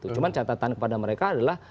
cuma catatan kepada mereka adalah